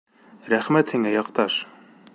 — Рәхмәт һиңә, яҡташ.